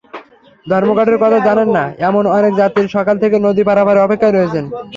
ধর্মঘটের কথা জানেন না—এমন অনেক যাত্রী সকাল থেকে নদী পারাপারের অপেক্ষায় রয়েছেন।